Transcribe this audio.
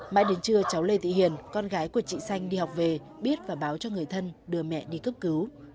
mãi đến trưa cháu lê thị hiền con gái của chị xanh đi học về biết và báo cho người thân đưa mẹ đi cấp cứu